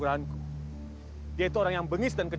aku harus menyegarkanmu